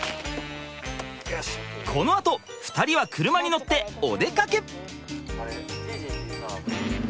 このあと２人は車に乗ってお出かけ！